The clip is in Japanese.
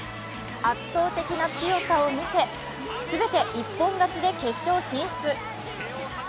圧倒的な強さを見せ全て一本勝ちで決勝進出。